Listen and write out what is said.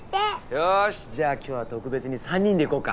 よしじゃあ今日は特別に３人で行こうか。